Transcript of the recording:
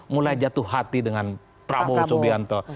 mulai jatuh hati dengan prabowo subianto